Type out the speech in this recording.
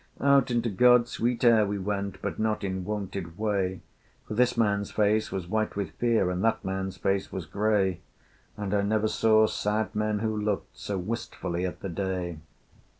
Out into God's sweet air we went, But not in wonted way, For this man's face was white with fear, And that man's face was grey, And I never saw sad men who looked So wistfully at the day.